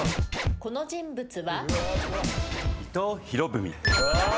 この人物は？